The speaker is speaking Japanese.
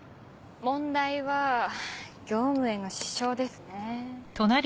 問題は業務への支障ですね。